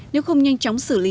nếu không nhanh chóng xử lý